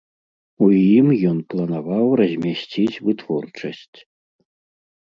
У ім ён планаваў размясціць вытворчасць.